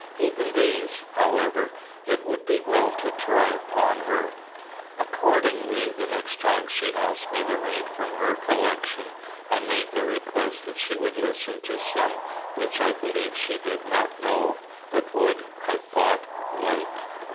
Even these, however, it would be well to try upon her. Accordingly, the next time she asked me to read from her collection, I made the request that she would listen to some which I believed she did not know, but would, I thought, like.